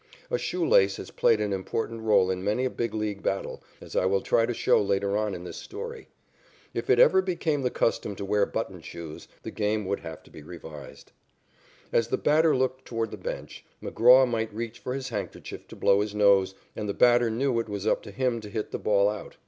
A shoe lace has played an important role in many a Big League battle, as I will try to show later on in this story. If it ever became the custom to wear button shoes, the game would have to be revised. As the batter looked toward the bench, McGraw might reach for his handkerchief to blow his nose, and the batter knew it was up to him to hit the ball out.